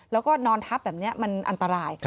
แล้วก็นอนทับแบบนี้มันอันตราย